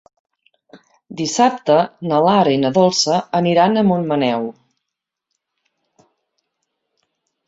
Dissabte na Lara i na Dolça aniran a Montmaneu.